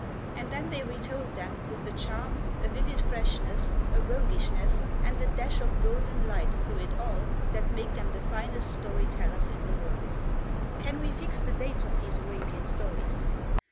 And then they retold them with a 22 THE TECHNIQUE OF THE MYSTERY STORY charm, a vivid freshness, a roguishness, and a dash of golden light through it all that make them the finest story tellers in the world. Can we fix the dates of these Arabian stories?